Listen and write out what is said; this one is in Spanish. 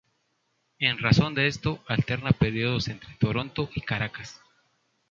En razón de esto, alterna períodos entre Toronto y Caracas.